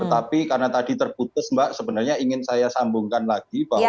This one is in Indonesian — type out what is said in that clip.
tetapi karena tadi terputus mbak sebenarnya ingin saya sambungkan lagi bahwa